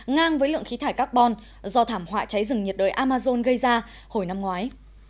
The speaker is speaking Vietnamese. ngang với lượng khí thải carbon do thảm họa cháy rừng nhiệt đới amazon gây ra hồi năm ngoái